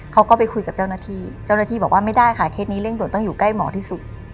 เขาก็ไปคุยกับเจ้าหน้าที่เจ้าหน้าที่บอกว่าไม่ได้ค่ะเคสนี้เร่งด่วนต้องอยู่ใกล้หมอที่สุด